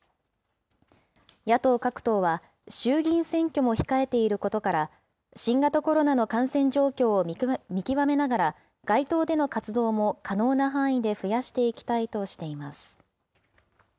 野党各党は、衆議院選挙も控えていることから、新型コロナの感染状況を見極めながら、街頭での活動も可能な範囲で増やしていきたいとしています。